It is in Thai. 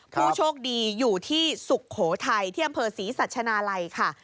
ผู้โชคดีอยู่ที่สุโขทัยที่อำเภอศรีสัชนาลัยค่ะ